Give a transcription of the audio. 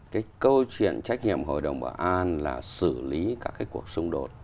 cái câu chuyện trách nhiệm hội đồng bảo an là xử lý các cái cuộc xung đột